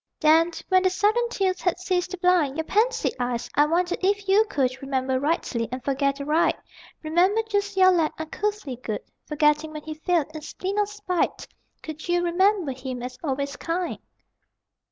Then, when the sudden tears had ceased to blind Your pansied eyes, I wonder if you could Remember rightly, and forget aright? Remember just your lad, uncouthly good, Forgetting when he failed in spleen or spite? Could you remember him as always kind?